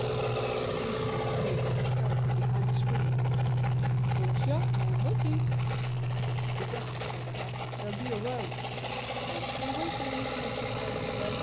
"What the deuce shall I do if he discovers her behind the screen?" "Monsieur, I am waiting." "If he does discover her there'll be a row." "I still am waiting, Mr. Gerald Lovell."